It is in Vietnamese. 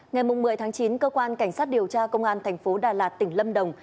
ngày một mươi chín cơ quan cảnh sát điều tra công an tp đà lạt tỉnh lâm đồng